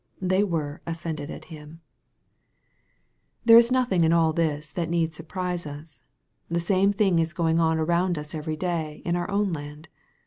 They were " offended at Him, ' 108 EXPOSITORY THOUGHTS. There is nothing in all this that need surprise us, The same thing is going on around us every day, in out own land.